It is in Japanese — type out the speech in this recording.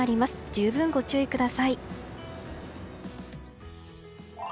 十分ご注意ください。